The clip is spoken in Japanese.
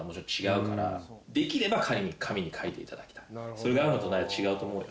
それがあるのとないの違うと思うよ。